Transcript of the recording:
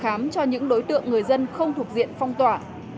khám cho những đối tượng người dân không thuộc diện phong tỏa